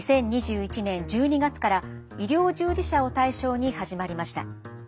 ２０２１年１２月から医療従事者を対象に始まりました。